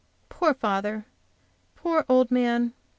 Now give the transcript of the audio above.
Poor father! poor old man!